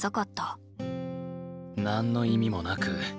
何の意味もなく。